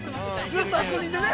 ◆ずっとあそこにいてね。